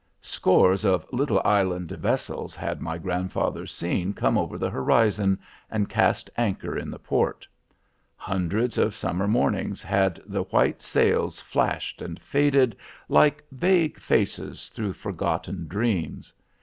Scores of little island vessels had my grandfather seen come over the horizon, and cast anchor in the port. Hundreds of summer mornings had the white sails flashed and faded, like vague faces through forgotten dreams.